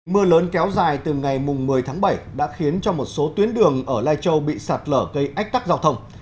mưa lớn kéo dài từ ngày một mươi tháng bảy đã khiến cho một số tuyến đường ở lai châu bị sạt lở gây ách tắc giao thông